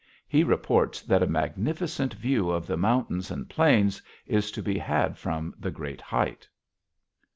He reports that a magnificent view of the mountains and plains is to be had from the great height.